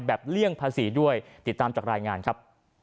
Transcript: เลี่ยงภาษีด้วยติดตามจากรายงานครับ